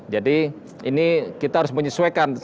jadi ini kita harus menyesuaikan sekarang